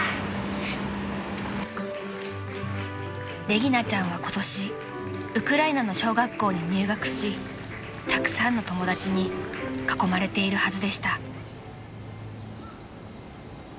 ［レギナちゃんは今年ウクライナの小学校に入学したくさんの友達に囲まれているはずでした］